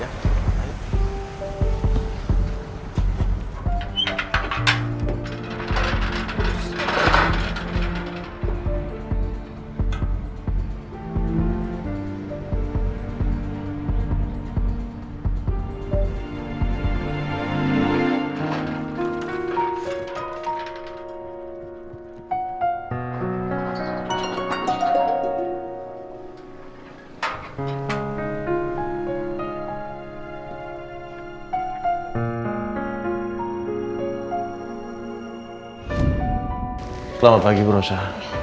selamat pagi bu rosa